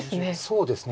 そうですね。